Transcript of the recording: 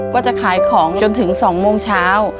ก็จะขายของจนถึง๒โมงเช้า